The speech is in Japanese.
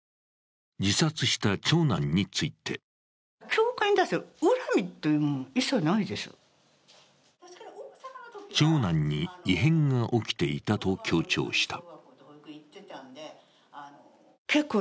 自殺した長男について長男に異変が起きていたと強調した。